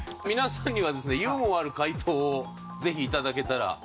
皆さんにはですねユーモアある解答をぜひいただけたら。